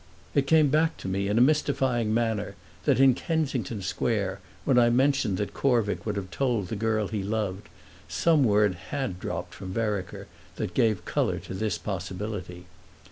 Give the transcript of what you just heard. It came back to me in a mystifying manner that in Kensington Square, when I mentioned that Corvick would have told the girl he loved, some word had dropped from Vereker that gave colour to this possibility.